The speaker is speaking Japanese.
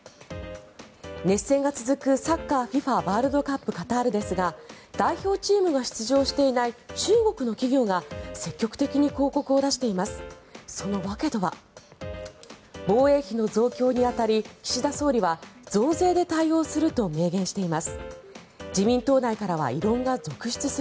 熱戦が続くサッカーＦＩＦＡワールドカップカタールですが代表チームが出場していない中国の企業が積極的に広告を出しています。